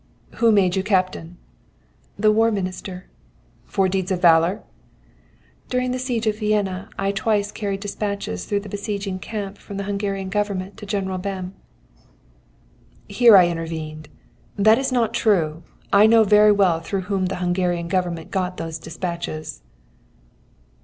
"'Who made you captain?' "'The War Minister.' "'For deeds of valour?' "'During the siege of Vienna I twice carried despatches through the besieging camp from the Hungarian Government to General Bem.'" Here I intervened: "That is not true; I know very well through whom the Hungarian Government got those despatches."